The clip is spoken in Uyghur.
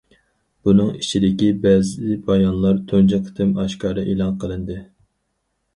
بۇنىڭ ئىچىدىكى بەزى بايانلار تۇنجى قېتىم ئاشكارا ئېلان قىلىندى.